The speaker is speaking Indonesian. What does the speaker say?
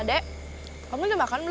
ade kamu udah makan belum